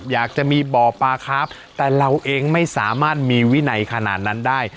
อยากจะมีบ่อปลาครับแต่เราเองไม่สามารถมีวินัยขนาดนั้นได้